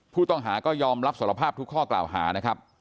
ผู้ต้องหาก็ยอมรับสารภาพทุกข้อกล่าวหานะครับ